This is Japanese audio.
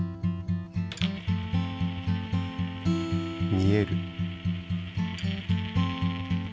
見える。